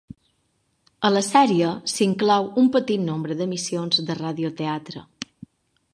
A la sèrie s'inclou un petit nombre d'emissions de radioteatre.